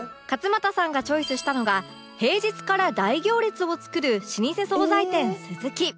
勝俣さんがチョイスしたのが平日から大行列を作る老舗総菜店鈴木